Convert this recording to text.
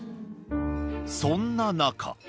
そんな中。